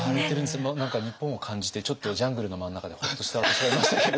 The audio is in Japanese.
何か日本を感じてちょっとジャングルの真ん中でホッとした私がいましたけれど。